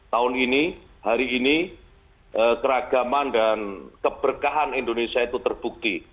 tahun ini hari ini keragaman dan keberkahan indonesia itu terbukti